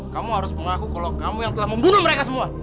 kamu harus mengaku kalau kamu yang telah membunuh mereka semua